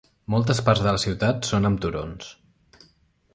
Moltes parts de la ciutat són amb turons.